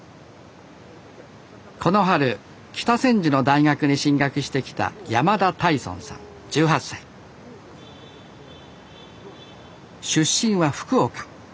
この春北千住の大学に進学してきた出身は福岡。